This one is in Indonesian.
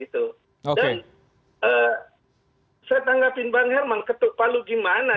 dan saya tanggapi bang herman ketuk palu gimana